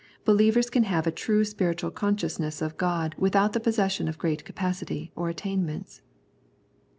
Believers can have a true spiritual consciousness of God without the possession of great capacity or attainments.